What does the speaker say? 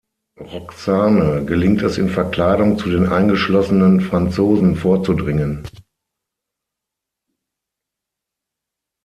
Roxane gelingt es in Verkleidung, zu den eingeschlossenen Franzosen vorzudringen.